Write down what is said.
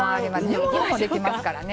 煮物もできますからね。